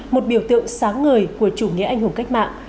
một biểu tượng sáng ngời của chủ nghĩa anh hùng cách mạng